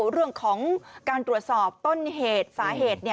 เรื่องของการตรวจสอบต้นเหตุสาเหตุ